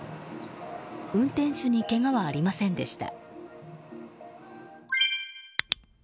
運転手にけがはありませんでした。